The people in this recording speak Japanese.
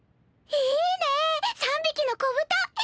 いいね「３びきのこぶた」！